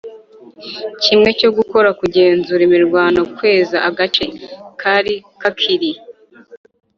kimwe cyo gukora kugenzura imirwano kweza agace kari kakiri